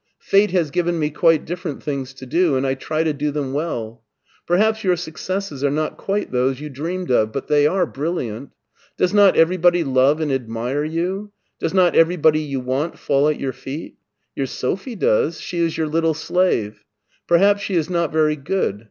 Fate has given me quite different things to do and I try to do them welL Perhaps your successes are not quite those you dreamed of, but they are brilliant; does not every body love and admire you? does not everything you want fall at your feet ? Your Sophie does ; she is your little slave. Perhaps she is not very good.